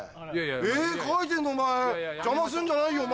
絵描いてんのお前邪魔すんじゃないよ！